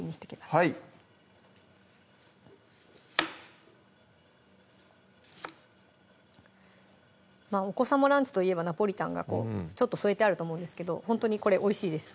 はいお子さまランチといえばナポリタンが添えてあると思うんですけどほんとにこれおいしいです